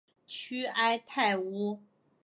屈埃泰乌。